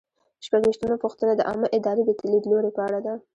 شپږویشتمه پوښتنه د عامه ادارې د لیدلوري په اړه ده.